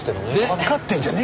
わかってんじゃねえよ！